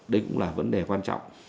đây cũng là vấn đề quan trọng